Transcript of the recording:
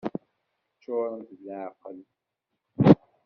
Ččurent d leεqel!